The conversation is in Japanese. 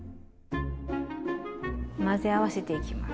混ぜ合わせていきます。